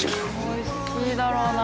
美味しいだろうな。